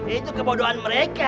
itu kebodohan mereka